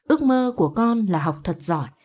ước mơ của con là học thật giỏi